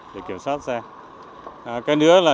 để kiểm soát xe cái nữa là